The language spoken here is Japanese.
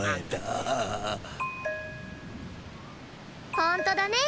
ほんとだね。